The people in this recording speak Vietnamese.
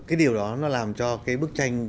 cái điều đó nó làm cho cái bức tranh